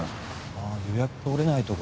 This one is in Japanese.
ああ予約取れないとこだ。